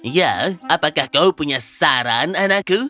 ya apakah kau punya saran anakku